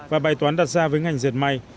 và bài toán đặt ra với ngành diệt may